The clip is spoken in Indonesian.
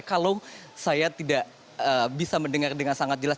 kalau saya tidak bisa mendengar dengan sangat jelas